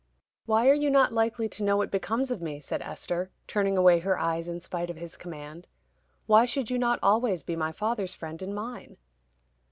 "Why are you not likely to know what becomes of me?" said Esther, turning away her eyes in spite of his command. "Why should you not always be my father's friend and mine?"